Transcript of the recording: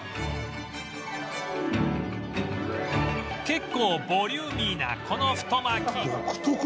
結構ボリューミーなこの太巻き